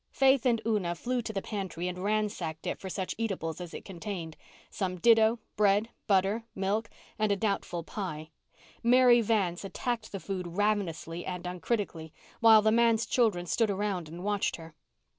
Faith and Una flew to the pantry and ransacked it for such eatables as it contained—some "ditto," bread, butter, milk and a doubtful pie. Mary Vance attacked the food ravenously and uncritically, while the manse children stood around and watched her.